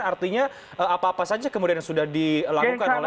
artinya apa apa saja kemudian sudah dilakukan oleh ukppib